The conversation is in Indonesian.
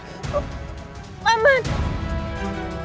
kau camkan itu